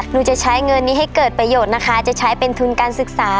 จะใช้เงินนี้ให้เกิดประโยชน์นะคะจะใช้เป็นทุนการศึกษา